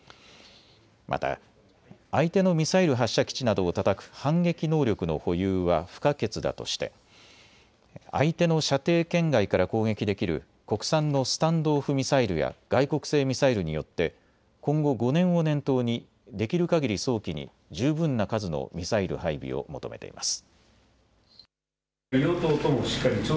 また相手のミサイル発射基地などをたたく反撃能力の保有は不可欠だとして相手の射程圏外から攻撃できる国産のスタンド・オフ・ミサイルや外国製ミサイルによって今後５年を念頭にできるかぎり早期に十分な数のミサイル配備を求めています。